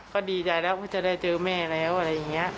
ก็ดีใจแล้วว่าจะได้เจอแม่แล้วอะไรอย่างนี้